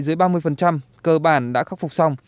dưới ba mươi cơ bản đã khắc phục xong